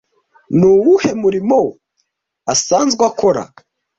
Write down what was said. Nuwuhe murimo asanzwe akora